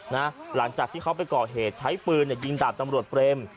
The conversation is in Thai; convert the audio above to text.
หลังจากที่เขาไปก่อเหตุใช้ปืนยิงดาบตำรวจเปรม